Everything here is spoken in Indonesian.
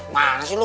mana sih lu